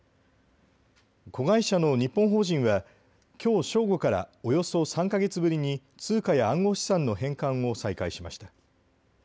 子会社の日本法人はきょう正午からおよそ３か月ぶりに通貨や暗号資産の返還を再開しました。